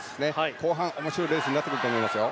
後半、面白いレースになってくると思いますよ。